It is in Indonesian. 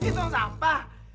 ini tuh sampah